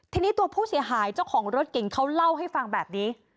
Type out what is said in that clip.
ทีนี้ตัวผู้เสียหายเจ้าของรถเก่งเขาเล่าให้ฟังแบบนี้